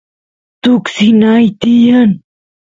tuksi nay tiyan